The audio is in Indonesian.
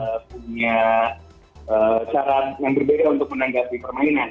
tentu ada siap pelatih punya kedekatan yang berbeda punya cara yang berbeda untuk menanggapi permainan